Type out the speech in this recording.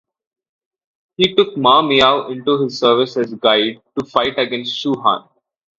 He took Ma Miao into his service as guide to fight against Shu Han.